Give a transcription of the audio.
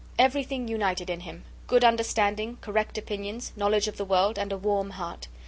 Everything united in him; good understanding, correct opinions, knowledge of the world, and a warm heart.